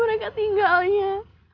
bunga tetap anak kandung mama